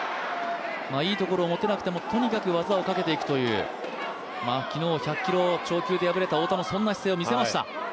いいところを持てなくてもとにかく技をかけていくという昨日、１００キロ超級で敗れた太田もそんな姿勢を見せました。